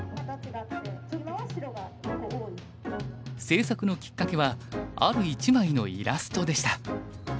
制作のきっかけはある一枚のイラストでした。